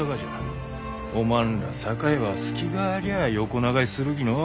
おまんら酒屋は隙がありゃあ横流しするきのう。